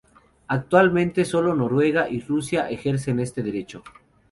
Actualmente, sólo Noruega y Rusia ejercen este derecho.